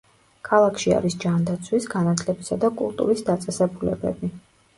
ქალაქში არის ჯანდაცვის, განათლებისა და კულტურის დაწესებულებები.